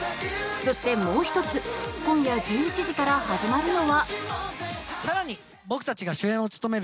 そしてもう１つ今夜１１時から始まるのは。